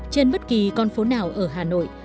trên bất kỳ con phố nào ở hà nội